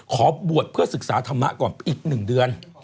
ขอบวชเพื่อศึกษาธรรมะก่อนอีก๑เดือน